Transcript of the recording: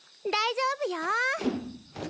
大丈夫よ！